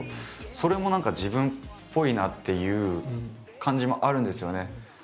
それも何か自分っぽいなっていう感じもあるんですよね。